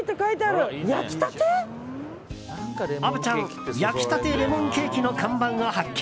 虻ちゃん焼きたてレモンケーキの看板を発見。